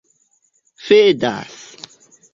fidas